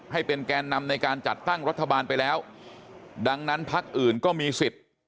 ให้เป็นแกนนำในการจัดตั้งรัฐบาลไปแล้วดังนั้นพักอื่นก็มีสิทธิ์